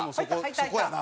そこやな。